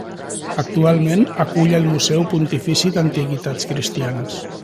Actualment, acull el Museu Pontifici d'Antiguitats Cristianes.